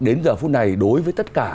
đến giờ phút này đối với tất cả